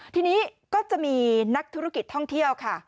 ทีนี้ก็จะมีนักธุรกิจท่องเที่ยวค่ะ